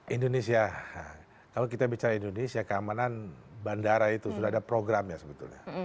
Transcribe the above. indonesia kalau kita bicara indonesia keamanan bandara itu sudah ada program ya sebetulnya